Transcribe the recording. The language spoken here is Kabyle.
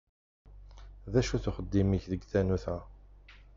D acu-t uxeddim-ik deg tanut-a?